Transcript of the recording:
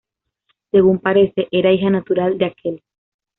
Según parece, era hija natural de aquel.